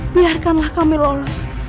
biarkanlah kami lolos